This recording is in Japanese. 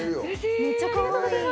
めっちゃかわいい。